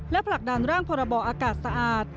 และผลักดันร่างพรบอากาศสะอาด